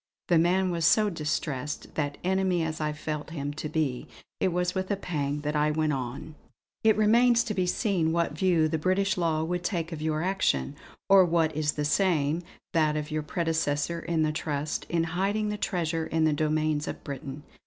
The man was so distressed that, enemy as I felt him to be, it was with a pang that I went on: "It remains to be seen what view the British law would take of your action, or what is the same, that of your predecessor in the trust, in hiding the treasure in the domains of Britain.